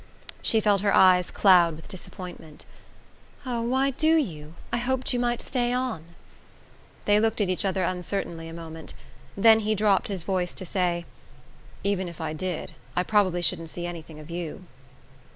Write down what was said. She felt her eyes cloud with disappointment. "Oh, why do you? I hoped you might stay on." They looked at each other uncertainly a moment; then he dropped his voice to say: "Even if I did, I probably shouldn't see anything of you."